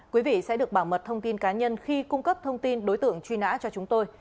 quý vị sẽ được bảo mật thông tin cá nhân khi cung cấp thông tin đối tượng truy nã cho chúng tôi